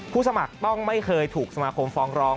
สมัครต้องไม่เคยถูกสมาคมฟ้องร้อง